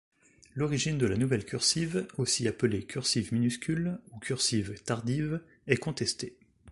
L'origine de la nouvelle cursive, aussi appelée cursive minuscule ou cursive tardive, est contestée.